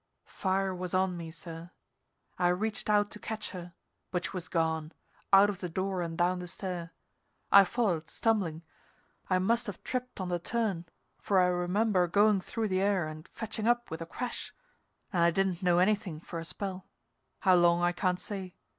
Fire was on me, sir. I reached out to catch her, but she was gone, out of the door and down the stair. I followed, stumbling. I must have tripped on the turn, for I remember going through the air and fetching up with a crash, and I didn't know anything for a spell how long I can't say.